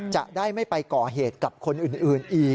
จะได้ไม่ไปก่อเหตุกับคนอื่นอีก